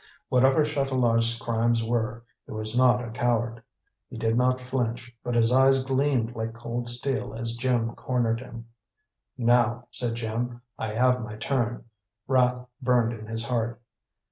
Whatever Chatelard's crimes were, he was not a coward. He did not flinch, but his eyes gleamed like cold steel as Jim cornered him. "Now," said Jim, "I have my turn." Wrath burned in his heart.